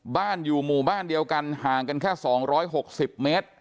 บ้านอยู่หมู่บ้านเดียวกันห่างกันแค่สองร้อยหกสิบเมตร